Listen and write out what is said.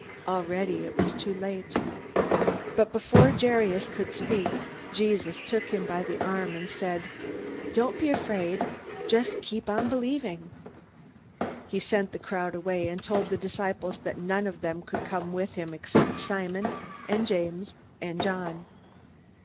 Already it was too late. But before Jairus could speak, Jesus took him by the arm and said: "Don't be afraid. Just keep on believing." He sent the crowd away, and told the disciples that none of them could come with him except Simon and James and John.